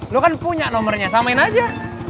lo kan punya nomornya samain aja